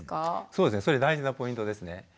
そうですねそれ大事なポイントですね。